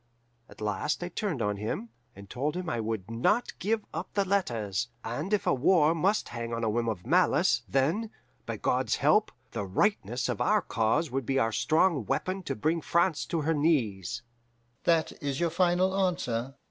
At last I turned on him, and told him I would not give up the letters, and if a war must hang on a whim of malice, then, by God's help, the rightness of our cause would be our strong weapon to bring France to her knees. "'That is your final answer?